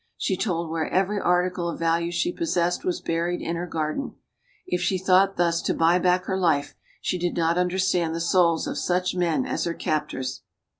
She told where every article of value she possessed was buried, in her garden. If she thought thus to buy back her life, she did not understand the souls of such men as her captors.